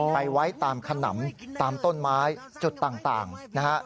ไปไว้ตามขนำตามต้นไม้จุดต่างนะฮะ